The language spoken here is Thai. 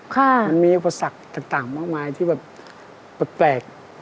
มันมีอุปสรรคต่างมากมายที่แบบแปลก